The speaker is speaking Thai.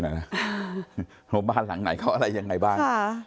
แล้วบ้านหลังไหนเขาอะไรยังไงบ้าง